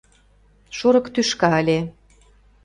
Шорык тӱшка ыле.